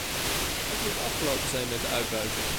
Het moet afgelopen zijn met de uitbuiting.